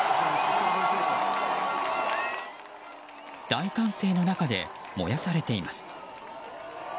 大歓声の中で燃やされています。